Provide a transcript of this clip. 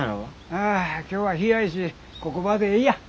ああ今日はひやいしここばでえいや。